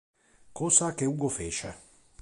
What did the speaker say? Cosa che Ugo fece.